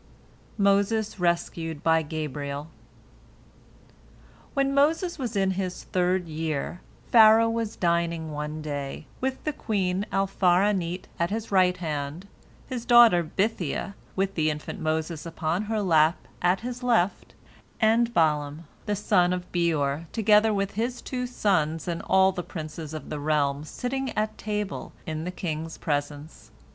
MOSES RESCUED BY GABRIEL When Moses was in his third year, Pharaoh was dining one day, with the queen Alfar'anit at his right hand, his daughter Bithiah with the infant Moses upon her lap at his left, and Balaam the son of Beor together with his two sons and all the princes of the realm sitting at table in the king's presence.